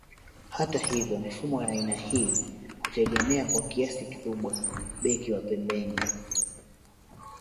Hata hivyo mifumo ya aina hii hutegemea kwa kiasi kikubwa beki wa pembeni